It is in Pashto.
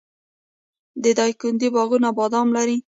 د دایکنډي باغونه بادام لري.